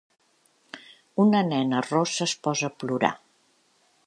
Una nena rossa es posa a plorar.